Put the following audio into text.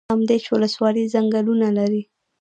کامدیش ولسوالۍ ځنګلونه لري؟